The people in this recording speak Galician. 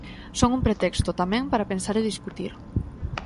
Son un pretexto, tamén, para pensar e discutir.